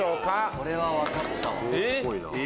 これは分かったわ。